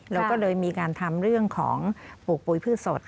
เราก็เลยมีการทำเรื่องของปลูกปุ๋ยพืชสด